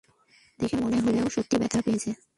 দেখে মনে হলো সত্যিই ব্যথা পেয়েছে।